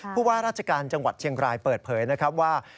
ผู้ว่าราชการจังหวัดเชียงรายเปิดเผยนะครับว่า